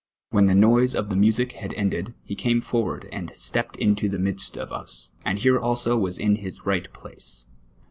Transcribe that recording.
"When the noise of the music had ended, he came fonvard and stepped into the midst of us ; and here also was in his right place.